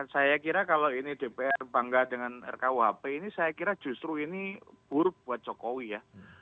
saya kira kalau ini dpr bangga dengan rkuhp ini saya kira justru ini buruk buat jokowi ya